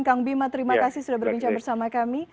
kang bima terima kasih sudah berbincang bersama kami